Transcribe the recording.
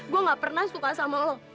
gue gak pernah suka sama lo